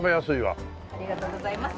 ありがとうございます。